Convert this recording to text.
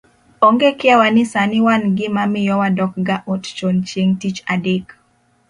Onge kiawa ni sani wan gi mamiyo wadokga ot chon chieng' tich adek